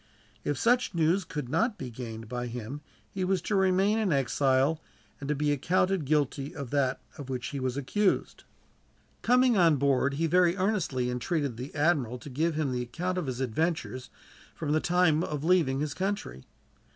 If such news could not be gained by him he was to remain in exile, and to be accounted guilty of that of which he was accused. Coming on board, he very earnestly entreated the admiral to give him the account of his adventures, from the time of leaving his country.